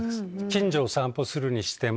近所を散歩するにしても。